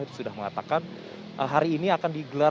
itu sudah mengatakan hari ini akan digelar